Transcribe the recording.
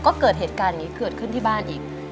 ก็เกิดเหตุการณ์อย่างนี้เกิดขึ้นที่บ้านอีก